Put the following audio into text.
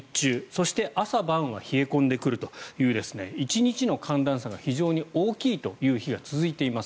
そして朝晩は冷え込んでくるという１日の寒暖差が非常に大きい日が続いています。